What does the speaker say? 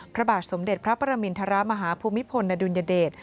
พระบาทสมเด็จพระประมินทรมาฮภูมิพลอดุลยเดช